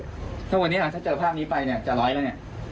เช่นวันนี้หลังจากเจอภาพนี้ไปจะร้อยแล้ว